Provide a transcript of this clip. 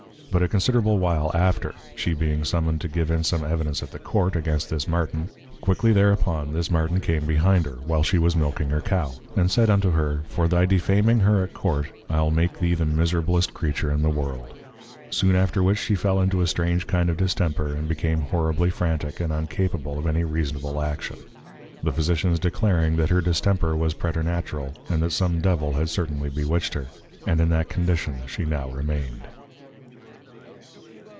But a considerable while after, she being Summoned to give in some Evidence at the Court, against this Martin, quickly thereupon, this Martin came behind her, while she was milking her Cow, and said unto her, For thy defaming her at Court, I'll make thee the miserablest Creature in the World. Soon after which, she fell into a strange kind of distemper, and became horribly frantick, and uncapable of any reasonable Action; the Physicians declaring, that her Distemper was preternatural, and that some Devil had certainly bewitched her; and in that condition she now remained.